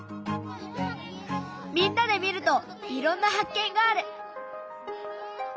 みんなで見るといろんな発見がある！